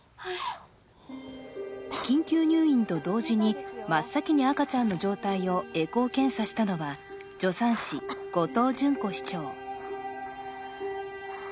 緊急入院と同時に真っ先に赤ちゃんの状態をエコー検査したのは助産師・後藤淳子師長。